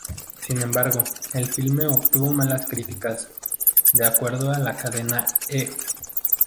Sin embargo, el filme obtuvo malas críticas; de acuerdo a la cadena "E!